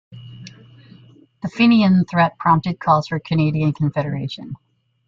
The Fenian threat prompted calls for Canadian confederation.